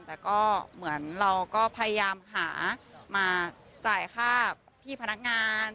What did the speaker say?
แต่ก็เหมือนเราก็พยายามหามาจ่ายค่าพี่พนักงาน